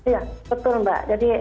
ya betul mbak